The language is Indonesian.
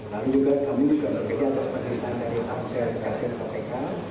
lalu juga kami juga bekerja atas pendidikan dari pasir capim kpk